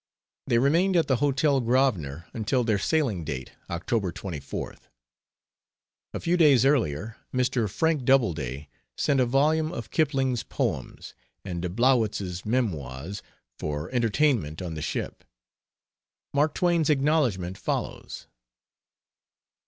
They remained at the Hotel Grosvenor until their sailing date, October 24th. A few days earlier, Mr. Frank Doubleday sent a volume of Kipling's poems and de Blowitz's Memoirs for entertainment on the ship. Mark Twain's acknowledgment follows.